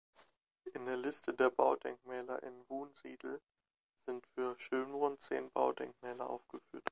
In der Liste der Baudenkmäler in Wunsiedel sind für Schönbrunn zehn Baudenkmäler aufgeführt.